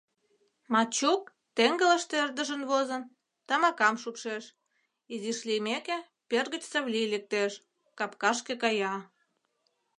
Мачук, теҥгылыште ӧрдыжын возын, тамакам шупшеш, изиш лиймеке, пӧрт гыч Савлий лектеш, капкашке кая.